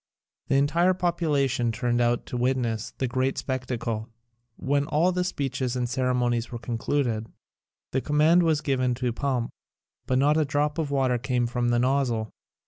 The entire population turned out to witness the great spectacle. When all the speeches and ceremonies were concluded, the command was given to pump, but not a drop of water came from the nozzle.